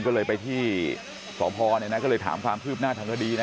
ก็เลยไปที่สพก็เลยถามความคืบหน้าทางคดีนะ